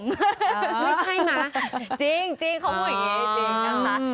ไม่ใช่นะจริงเขาพูดอย่างนี้จริงนะคะ